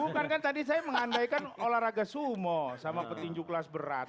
bukan kan tadi saya mengandaikan olahraga sumo sama petinju kelas berat